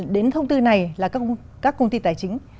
đến thông tư này là các công ty tài chính